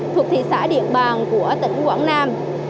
thuộc thị xã điện bản của tỉnh quảng nam